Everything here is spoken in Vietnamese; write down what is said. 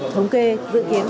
thống kê dự kiến thái bình